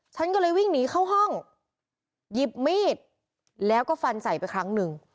ฉันก็เลยวิ่งหนีเข้าห้องหยิบมีดแล้วก็ฟันใส่ไปครั้งหนึ่ง